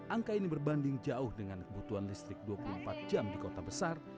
angka ini berbanding jauh dengan kebutuhan listrik dua puluh empat jam di kota besar